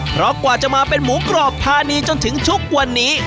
เพราะกว่าจะมาเป็นหมูกรอบทานีจนถึงทุกวันนี้